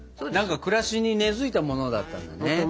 暮らしに根づいたものだったんだね。